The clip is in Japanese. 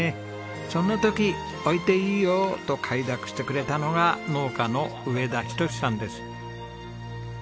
そんな時「置いていいよ」と快諾してくれたのが農家の上田仁さんです。